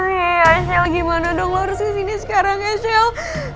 iya shell gimana dong lo harus kesini sekarang ya shell